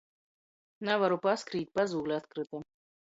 Navaru paskrīt, pazūle atkryta.